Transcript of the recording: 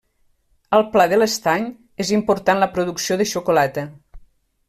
Al Pla de l'Estany, és important la producció de xocolata.